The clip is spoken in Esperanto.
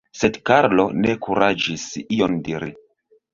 Sed Karlo ne kuraĝis ion diri.